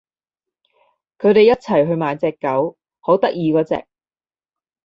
佢哋一齊去買隻狗，好得意嗰隻